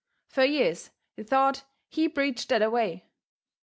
Fur years they thought he preached that a way.